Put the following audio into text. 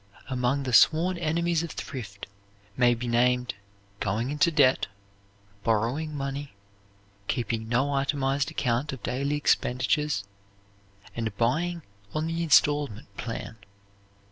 Among the sworn enemies of thrift may be named going into debt, borrowing money, keeping no itemized account of daily expenditures, and buying on the instalment plan.